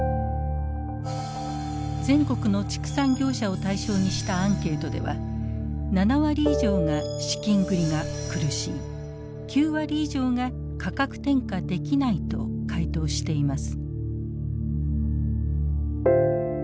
全国の畜産業者を対象にしたアンケートでは７割以上が資金繰りが苦しい９割以上が価格転嫁できないと回答しています。